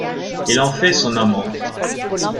Il en fait son amante.